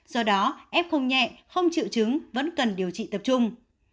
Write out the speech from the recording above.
do đó f không nhẹ không chịu chứng vẫn cần điều trị tập trung